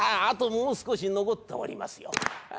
あともう少し残っておりますよ。